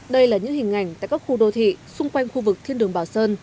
đây là những hình ảnh tại các khu đô thị xung quanh khu vực thiên đường bảo sơn